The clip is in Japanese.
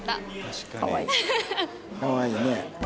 かわいいね。